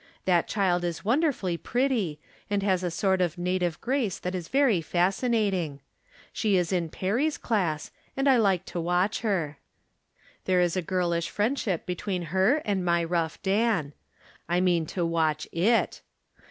That child is wonderfully pretty, and has a sort of native grace that is very fascinating. She is in Perry's class, and I like to watch her. There is a girlish friend ship between her and my rough Dan. I mean to watch it.